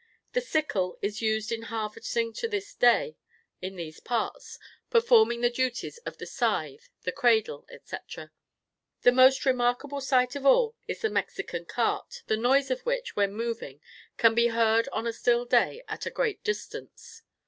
The sickle is used in harvesting to this day in these parts, performing the duties of the scythe, the cradle, etc. The most remarkable sight of all is the Mexican cart, the noise of which, when moving, can, be heard on a still day at a great distance.